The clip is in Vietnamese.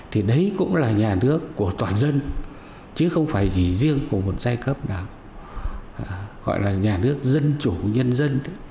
thì đấy cũng là nhà nước của toàn dân chứ không phải chỉ riêng của một giai cấp nào gọi là nhà nước dân chủ nhân dân